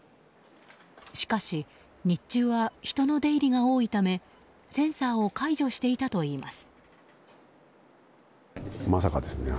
しかし、日中は人の出入りが多いためセンサーを解除していたといいます。